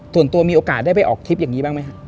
ส่วนตัวมีโอกาสได้ไปออกทริปอย่างนี้บ้างไหมครับ